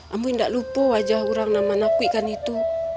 aku gak lupa wajah orang yang menakwinkan itu